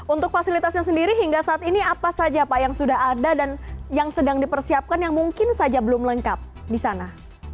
untuk fasilitasnya sendiri hingga saat ini apa saja pak yang sudah ada dan yang sedang dipersiapkan yang mungkin saja belum lengkap di sana